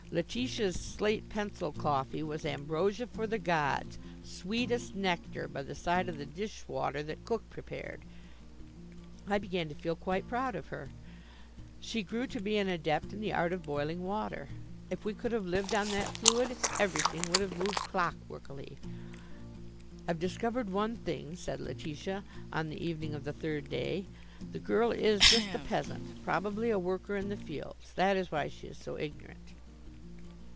Letitia's slate pencil coffee was ambrosia for the gods, sweetest nectar, by the side of the dishwater that cook prepared. I began to feel quite proud of her. She grew to be an adept in the art of boiling water. If we could have lived on that fluid, everything would have moved clockworkily. "I've discovered one thing," said Letitia on the evening of the third day. "The girl is just a peasant, probably a worker in the fields. That is why she is so ignorant."